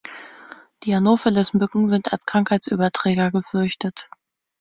Die "Anopheles"-Mücken sind als Krankheitsüberträger gefürchtet.